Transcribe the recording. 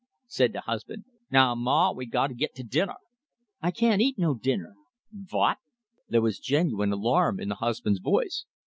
Said the husband: "Now, Maw, we gotta git to dinner " "I can't eat no dinner." "Vot?" There was genuine alarm in the husband's voice.